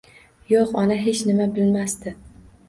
Yo`q, ona hech nima bilmasdi